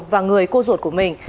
và người cô ruột của mình